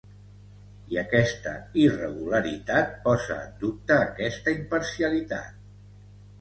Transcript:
I aquesta irregularitat posa en dubte aquesta imparcialitat.